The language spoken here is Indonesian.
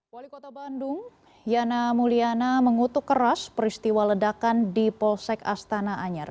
wali kota bandung yana mulyana mengutuk keras peristiwa ledakan di polsek astana anyar